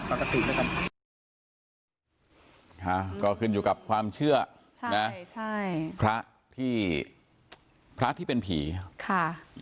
ปกติด้วยกันค่ะก็คืนอยู่กับความเชื่อใช่ใช่พระที่พระที่เป็นผีค่ะ